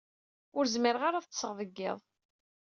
Ur zmireɣ ara ad ṭṭseɣ deg yiḍ.